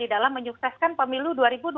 dalam menyukseskan pemilu dua ribu dua puluh